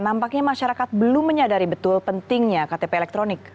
nampaknya masyarakat belum menyadari betul pentingnya ktp elektronik